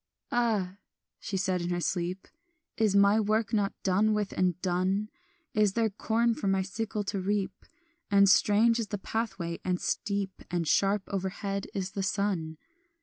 "Ah," she said in her sleep, "Is my work not done with and done? Is there corn for my sickle to reap? And strange is the pathway, and steep, And sharp overhead is the sun.